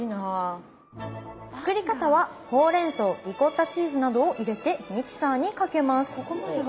作り方はほうれんそうリコッタチーズなどを入れてミキサーにかけます。